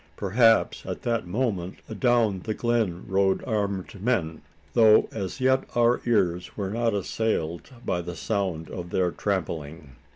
Perhaps at that moment "adown the glen rode armed men" though as yet our ears were not assailed by the sound of their trampling.